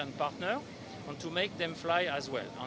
dan untuk membuat mereka berlari juga